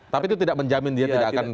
tapi itu tidak menjamin dia tidak akan